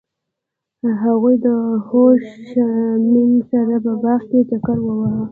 هغوی د خوږ شمیم سره په باغ کې چکر وواهه.